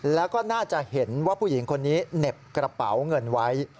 แล้วก็น่าจะเห็นว่าผู้หญิงคนนี้เหน็บกระเป๋าเงินไว้